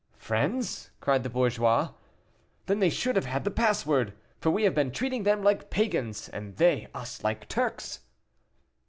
"Friends!" cried the bourgeois, "then they should have had the password; for we have been treating them like Pagans and they us like Turks."